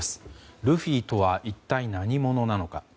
ルフィとは一体何者なのか。